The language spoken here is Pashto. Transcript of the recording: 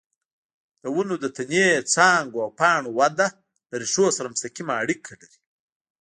د ونو د تنې، څانګو او پاڼو وده له ریښو سره مستقیمه اړیکه لري.